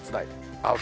青空。